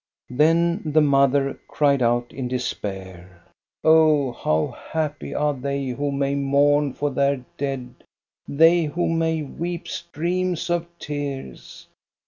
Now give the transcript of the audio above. Then the mother cried out in despair :—" Oh, how happy are they who may mourn for their dead, they who may weep streams of tears